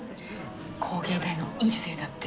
工芸大の院生だって。